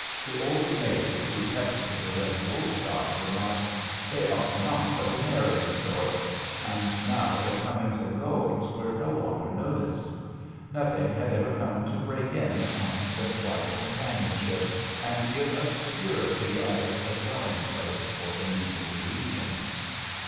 The old maid who kept the Berlin wool shop re marked, " They are not of the marrying sort," and now their comings and goings were no longer noticed. Nothing had ever come to break in on their quiet companionship and give obscurity as a dweliing place for the needed illusions.